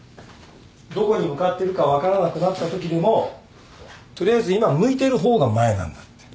「どこに向かってるか分からなくなったときでも取りあえず今向いてる方が前なんだ」って。